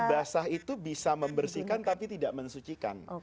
basah itu bisa membersihkan tapi tidak mensucikan